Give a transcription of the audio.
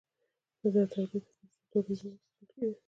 دا تولید د کوچنیو تولیدونکو په مټ کیده.